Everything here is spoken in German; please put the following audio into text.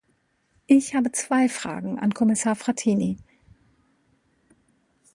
Ich habe zwei Fragen an Kommissar Frattini.